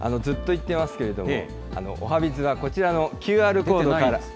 ずっと言ってますけれども、おはＢｉｚはこちらのＱＲコードから。